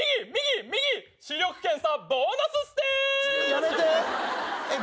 やめて。